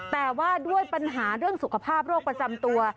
แต่ว่าด้วยปัญหาเรื่องสุขภาพโรคประจำตัว